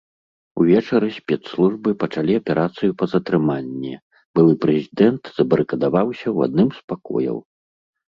Увечары спецслужбы пачалі аперацыю па затрыманні, былы прэзідэнт забарыкадаваўся ў адным з пакояў.